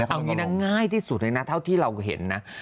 เอางี้นะง่ายที่สุดเลยนะเท่าที่เราเห็นนะ